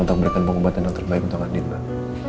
untuk memberikan pengobatan yang terbaik untuk andin pak